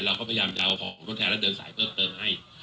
เราก็พยายามจะเอาของทดแทนและเดินสายเพิ่มเติมให้